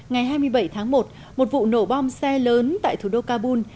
ngày hai mươi bảy tháng một một vụ nổ bom xe lớn tại thủ đô kabul